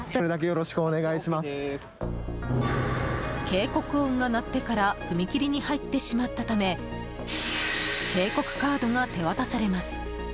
警告音が鳴ってから踏切に入ってしまったため警告カードを手渡されます。